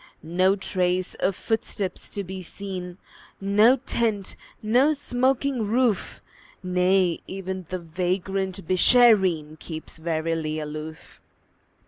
No trace of footsteps to be seen, No tent, no smoking roof; Nay, even the vagrant Beeshareen Keeps warily aloof.